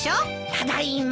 ただいま。